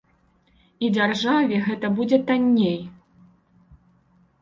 І дзяржаве гэта будзе танней.